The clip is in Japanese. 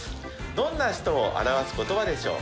どんな人を表す言葉でしょう？